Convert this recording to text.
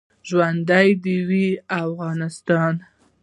ژوندی دې وي افغانستان.